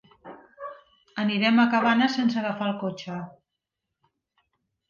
Anirem a Cabanes sense agafar el cotxe.